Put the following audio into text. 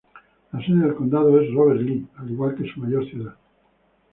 La sede del condado es Robert Lee, al igual que su mayor ciudad.